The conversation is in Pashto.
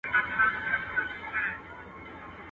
o بې ما دي شل نه کړه.